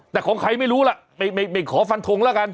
แต่ของใครไม่รู้ล่ะไม่ขอฟันทงแล้วกัน